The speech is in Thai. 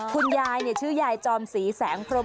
คุณยายเนี่ยชื่อยายจอมสีแสงพรม